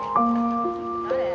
誰？